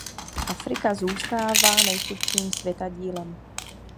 Afrika zůstává nejchudším světadílem.